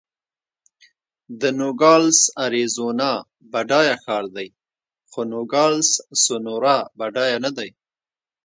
د نوګالس اریزونا بډایه ښار دی، خو نوګالس سونورا بډایه نه دی.